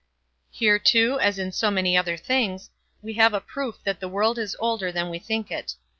Here too, as in so many other things, we have a proof that the world is older than we think it.